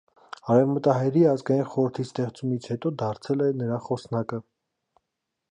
Արևմտահայերի ազգային խորհրդի ստեղծումից հետո դարձել է նրա խոսնակը։